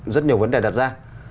rất nhiều vấn đề đặt ra